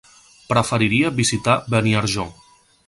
Preferiria visitar Beniarjó.